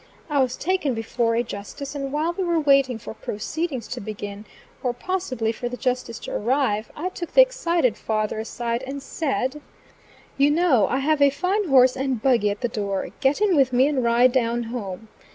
I was taken before a justice, and while we were waiting for proceedings to begin, or, possibly for the justice to arrive, I took the excited father aside and said: "You know I have a fine horse and buggy at the door. Get in with me, and ride down home.